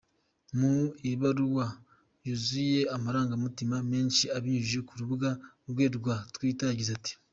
Mu ibaruwa yuzuye amarangamutima menshi abinyujije ku rubuga rwe rwa twita yagize ati:.